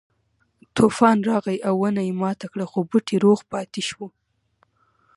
طوفان راغی او ونه یې ماته کړه خو بوټی روغ پاتې شو.